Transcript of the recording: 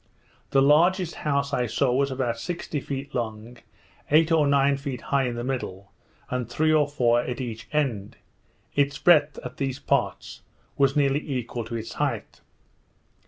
The largest house I saw was about sixty feet long, eight or nine feet high in the middle, and three or four at each end; its breadth, at these parts, was nearly equal to its height.